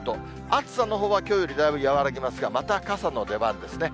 暑さのほうはきょうよりだいぶ和らぎますが、また傘の出番ですね。